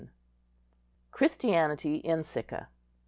CHRISTIANITY IN SICCA.